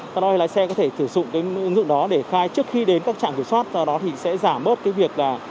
chúng tôi sẽ có thể thử dụng cái ứng dụng đó để khai trước khi đến các trạm thu phí sau đó thì sẽ giảm bớt cái việc là